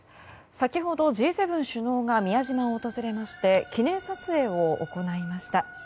先ほどＧ７首脳が宮島を訪れまして記念撮影を行いました。